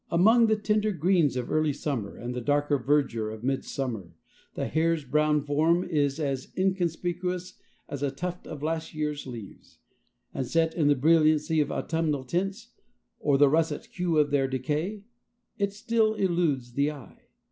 Among the tender greens of early summer and the darker verdure of midsummer, the hare's brown form is as inconspicuous as a tuft of last year's leaves, and set in the brilliancy of autumnal tints, or the russet hue of their decay, it still eludes the eye.